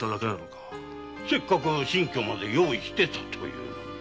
せっかく新居まで用意していたというのに。